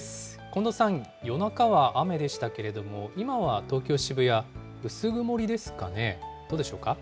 近藤さん、夜中は雨でしたけれども、今は東京・渋谷、薄曇りですかね。